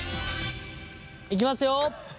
いきますよ！